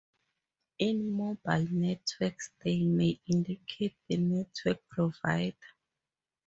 In mobile networks they may indicate the network provider.